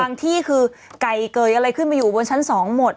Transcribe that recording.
ที่คือไก่เกยอะไรขึ้นมาอยู่บนชั้น๒หมด